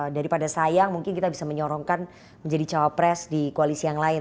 daripada sayang mungkin kita bisa menyorongkan menjadi cawapres di koalisi yang lain